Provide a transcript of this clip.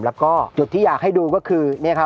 แล้วก็จุดที่อยากให้ดูก็คือ